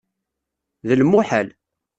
D lmuḥal.